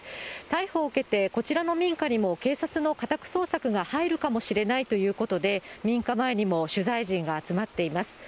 逮捕を受けて、こちらの民家にも警察の家宅捜索が入るかもしれないということで、民家前にも取材陣が集まっています。